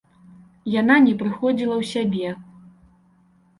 Яна не прыходзіла ў сябе.